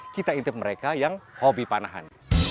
kita intip mereka yang hobi panahan